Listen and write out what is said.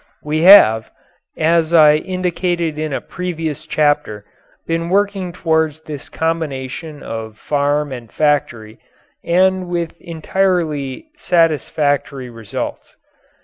We have, as I indicated in a previous chapter, been working toward this combination of farm and factory and with entirely satisfactory results.